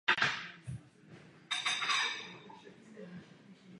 V Bibli je Beer Ševa celkově popisována jako důležité svaté místo.